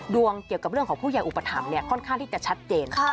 เกี่ยวกับเรื่องของผู้ใหญ่อุปถัมภ์ค่อนข้างที่จะชัดเจน